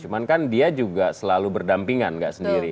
cuman kan dia juga selalu berdampingan nggak sendiri